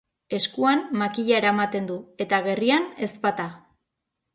Eskuan makila eramaten du eta gerrian ezpata.